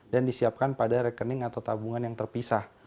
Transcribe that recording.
dan disiapkan pada rekening atau tabungan yang terpisah